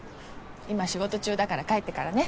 今仕事中だから帰ってからね。